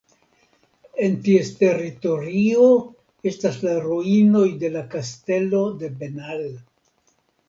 En ties teritorio estas la ruinoj de la kastelo de Benal.